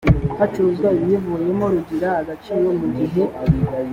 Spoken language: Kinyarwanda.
hacuruzwa ibiyivuyemo rugira agaciro mu gihe